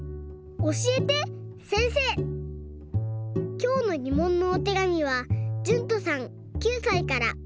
きょうのぎもんのおてがみはじゅんとさん９さいから。